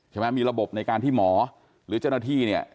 ใช่ไหมมีระบบในการที่หมอหรือเจ้าหน้าที่เนี่ย